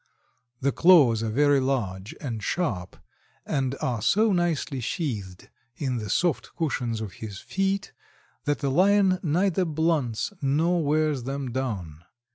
The claws are very large and sharp, and are so nicely sheathed in the soft cushions of his feet that the Lion neither blunts nor wears them down.